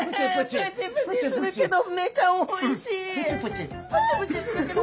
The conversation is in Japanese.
プチプチするけどおいしい！